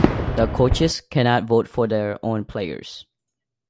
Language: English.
The coaches cannot vote for their own players.